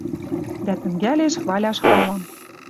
Дӓ тӹнгӓлеш хваляш халам